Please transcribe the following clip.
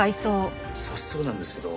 早速なんですけど。